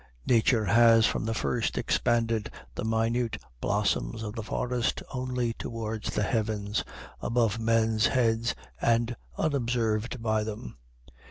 Nature has from the first expanded the minute blossoms of the forest only toward the heavens, above men's heads and unobserved by them.